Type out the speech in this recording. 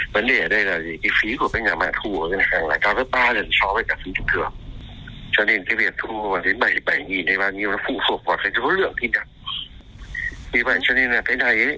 vì vậy cho nên là tới đây